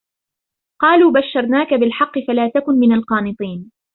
قالوا بشرناك بالحق فلا تكن من القانطين